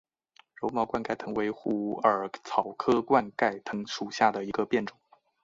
柔毛冠盖藤为虎耳草科冠盖藤属下的一个变种。